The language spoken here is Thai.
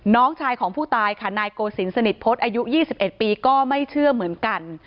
น้องชายของผู้ตายค่ะนายโกศิลปสนิทพฤษอายุ๒๑ปีก็ไม่เชื่อเหมือนกัน